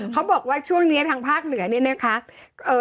เขาบอกว่าช่วงนี้ทางภาคเหนือเนี่ยนะคะ